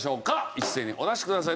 一斉にお出しください。